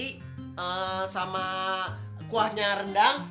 ehh sama kuahnya rendang